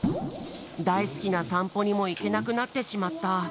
だいすきなさんぽにもいけなくなってしまった。